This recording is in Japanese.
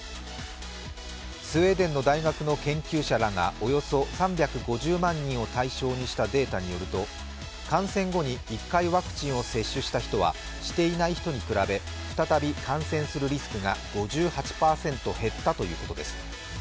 スウェーデンの大学の研究者らが、およそ３５０万人を対象にしたデータによると感染後に１回ワクチンを接種した人はしていない人に比べ再び感染するリスクが５８％減ったということです。